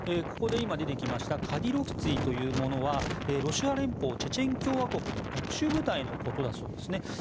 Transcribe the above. ここで出てきましたカディロフツィというのはロシア連邦チェチェン共和国の特殊部隊のことだそうです。